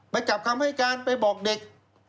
กลับคำให้การไปบอกเด็ก